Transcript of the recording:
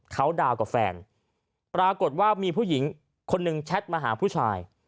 เขาดาวน์กับแฟนปรากฏว่ามีผู้หญิงคนหนึ่งแชทมาหาผู้ชาย